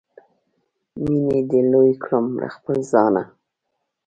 مینې دې لوی کړم له خپله ځانه